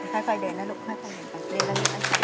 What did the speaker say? ไฟไฟเด่นนะลูกไฟไฟเด่น